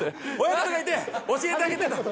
親方がいて教えてあげてるの。